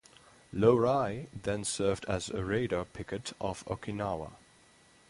"Lowry" then served as a radar picket off Okinawa.